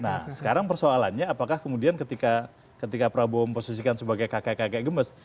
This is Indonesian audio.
nah sekarang persoalannya apakah kemudian ketika prabowo memposisikan sebagai kakek kakek gemes